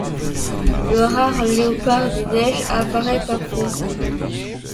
Le rare léopard des neiges apparaît parfois.